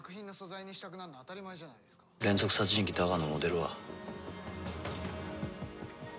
連続殺人鬼ダガーのモデルは？